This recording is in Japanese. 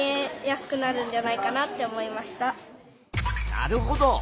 なるほど。